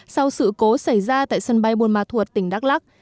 sau sự cố xảy ra tại sân bay buôn ma thuột tỉnh đắk lắc